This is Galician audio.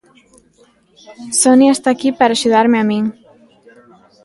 Sonia está aquí para axudarme a min.